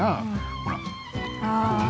ほら。